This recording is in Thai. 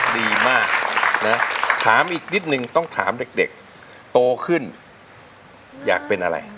ดีมากนะถามอีกนิดนึงต้องถามเด็กโตขึ้นอยากเป็นอะไร